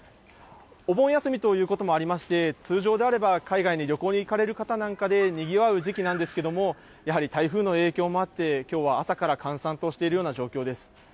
お盆休みということもありまして、通常であれば海外に旅行に行かれる方なんかでにぎわう時期なんですけれども、やはり台風の影響もあって、きょうは朝から閑散としているような状況です。